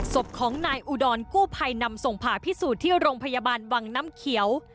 ศพของนายอุดรกู้ภัยนำส่งผ่าพิสูจน์ที่โรงพยาบาลวังน้ำเขียว